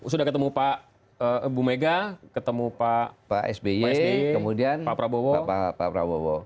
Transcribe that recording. sudah ketemu pak ibu megawati ketemu pak sby pak prabowo